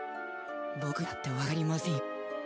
僕にだってわかりませんよ。